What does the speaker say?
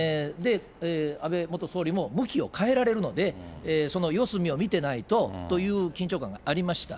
安倍元総理も向きを変えられるので、その四隅を見てないとという緊張感がありました。